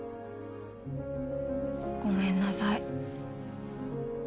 ごめんなさい。